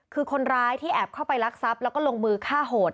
คือคนร้ายที่แอบเข้าไปรักทรัพย์แล้วก็ลงมือฆ่าโหด